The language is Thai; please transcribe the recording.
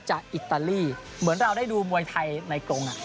เหมือนเราได้ดูมวยไทยในตรง